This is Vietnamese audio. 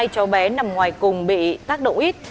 hai cháu bé nằm ngoài cùng bị tác động ít